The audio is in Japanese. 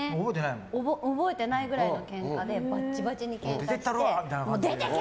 覚えてないくらいのけんかでバチバチにけんかして出てけ！